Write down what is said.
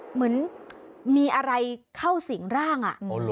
เหมือนมีอะไรเข้าสิ่งร่าง